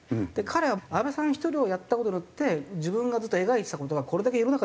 彼は安倍さん１人をやった事によって自分がずっと描いてた事がこれだけ世の中に広まるって。